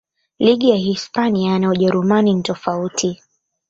ligi ya hispania na ujerumani ni tofauti